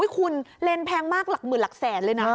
คุณเลนแพงมากหลักหมื่นหลักแสนเลยนะ